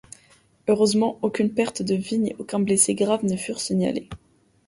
Heureusement, aucune perte de vie ni aucun blessé grave ne furent signalés.